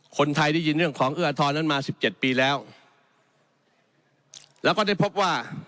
คนไทยได้ยินเรื่องของเอื้ออทรนั้นมา๑๗ปีแล้ว